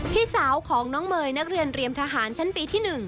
พี่สาวของน้องเมย์นักเรียนเรียมทหารชั้นปีที่๑